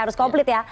harus komplit ya